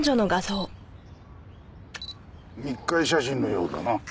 密会写真のようだな。